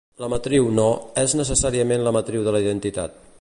La matriu "no" és necessàriament la matriu de la identitat.